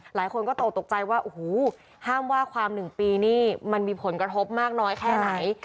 หลายคนก็ตกตกใจว่าโอ้โหห้ามว่าความ๑ปีนี่มันมีผลกระทบมากน้อยแค่ไหน